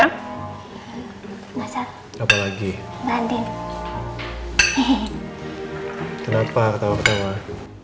kenapa ketawa ketawa boleh cek ntar mas